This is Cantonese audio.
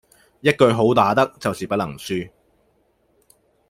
一句好打得就是不能輸